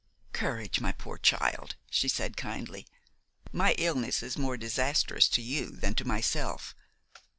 "Courage, my poor child," she said kindly; "my illness is more disastrous to you than to myself.